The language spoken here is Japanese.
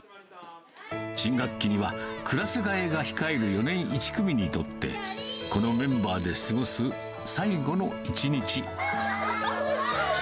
新学期にはクラス替えが控える４年１組にとって、このメンバーで過ごす最後の１日。